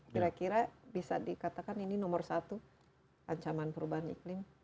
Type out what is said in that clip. kira kira bisa dikatakan ini nomor satu ancaman perubahan iklim